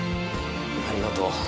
ありがとう。